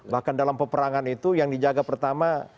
bahkan dalam peperangan itu yang dijaga pertama